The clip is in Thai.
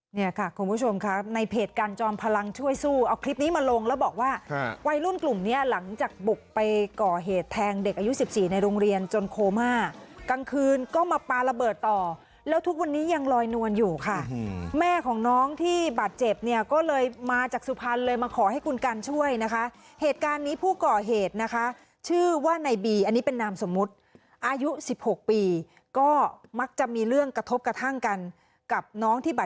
วิ่งป่าววิ่งป่าววิ่งป่าววิ่งป่าววิ่งป่าววิ่งป่าววิ่งป่าววิ่งป่าววิ่งป่าววิ่งป่าววิ่งป่าววิ่งป่าววิ่งป่าววิ่งป่าววิ่งป่าววิ่งป่าววิ่งป่าววิ่งป่าววิ่งป่าววิ่งป่าววิ่งป่าววิ่งป่าววิ่งป่าววิ่งป่าววิ่งป่า